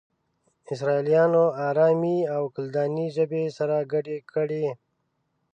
اسرائيليانو آرامي او کلداني ژبې سره گډې کړې.